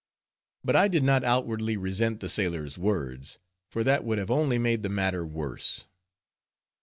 But I did not outwardly resent the sailor's words, for that would have only made the matter worse.